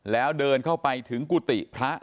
แล้วเดินเข้าไปถึงกูติ